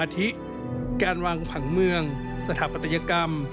ทิการวางผังเมืองสถาปัตยกรรม